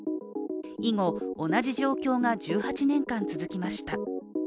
以後、同じ状況が１８年間続きました。